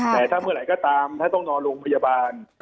แต่ถ้าเมื่อไหร่ก็ตามถ้าต้องนอนโรงพยาบาล